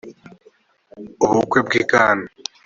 ubukwe bw i kana